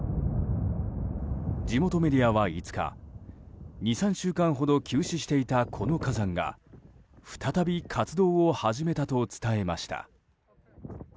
地元メディアは５日２３週間ほど休止していたこの火山が再び活動を始めたと伝えました。